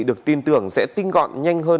được tin tưởng sẽ tinh gọn nhanh hơn